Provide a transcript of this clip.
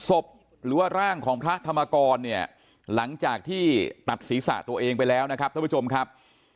ศพหรือว่าร่างของพระธรรมกรเนี่ยหลังจากที่ตัดศีรษะตัวเองไปแล้วนะครับท่านผู้ชมครับ